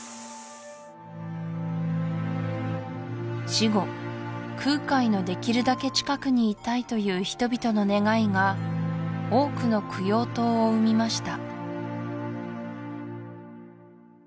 死後空海のできるだけ近くにいたいという人々の願いが多くの供養塔を生みました